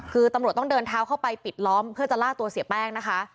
คือตำรวจต้องเดินเท้าเข้าไปปิดล้อมเพื่อจะล่าตัวเสียแป้งนะคะ